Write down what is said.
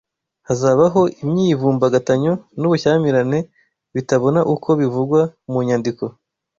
hazabaho imyivumbagatanyo n’ubushyamirane bitabona uko bivugwa mu nyandiko.